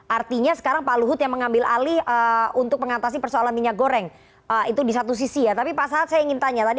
artinya sekarang pak luhut yang mengambil alih untuk mengatasi persoalan minyak goreng